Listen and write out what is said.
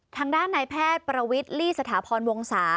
ทางด้านนายแพทย์ประวิทย์ลี่สถาพรวงศา